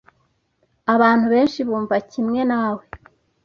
Abantu benshi bumva kimwe nawe.